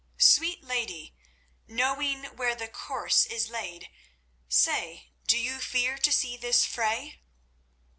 Sweet lady, knowing where the course is laid, say, do you fear to see this fray?"